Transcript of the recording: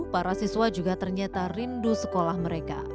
para siswa juga ternyata rindu sekolah mereka